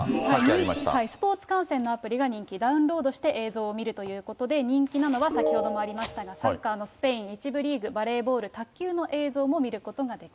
スポーツ観戦のアプリが人気、ダウンロードして映像を見るということで、人気なのは先ほどもありましたが、サッカーのスペイン１部リーグ、バレーボール、卓球さらに。